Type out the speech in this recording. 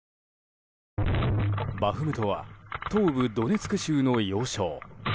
バフムトは東部ドネツク州の要衝。